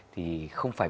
thì không phải